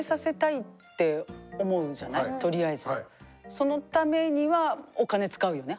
そのためにはお金使うよね早めにね。